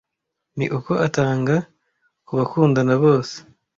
ni uko atanga kubakundana bose